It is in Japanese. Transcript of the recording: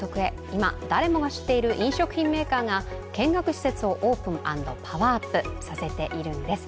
今、誰もが知っている飲食品メーカーが見学施設をオープン＆パワーアップさせているんです。